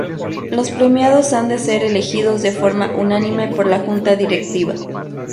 Los premiados han de ser elegidos de forma unánime por la junta directiva.